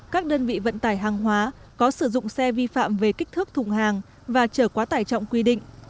các đơn vị vận tải hàng hóa có sử dụng xe vi phạm về kích thước thùng hàng và trở quá tải trọng quy định